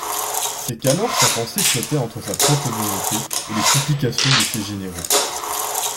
C'est qu'alors sa pensée flottait entre sa propre volonté et les supplications de ses généraux.